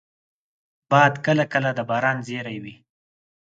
باد کله کله د باران زېری وي